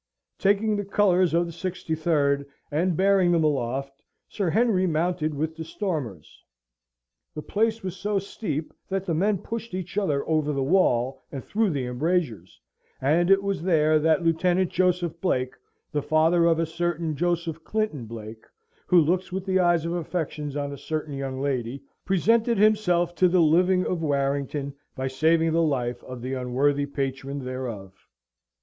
Taking the colours of the Sixty third, and bearing them aloft, Sir Henry mounted with the stormers. The place was so steep that the men pushed each other over the wall and through the embrasures; and it was there that Lieutenant Joseph Blake, the father of a certain Joseph Clinton Blake, who looks with the eyes of affection on a certain young lady, presented himself to the living of Warrington by saving the life of the unworthy patron thereof.